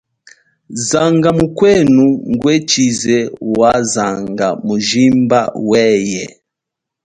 Zanga mukwenu ngwe tshize wa zanga mujimba weye.